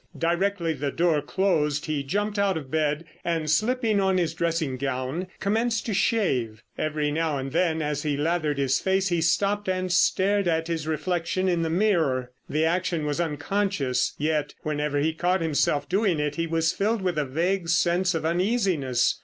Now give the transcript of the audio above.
Directly the door closed he jumped out of bed, and slipping on his dressing gown commenced to shave. Every now and then as he lathered his face he stopped and stared at his reflection in the mirror. The action was unconscious, yet, whenever he caught himself doing it he was filled with a vague sense of uneasiness.